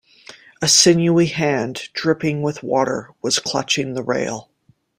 A sinewy hand, dripping with water, was clutching the rail.